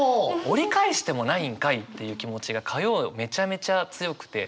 折り返してもないんかい！っていう気持ちが火曜めちゃめちゃ強くて。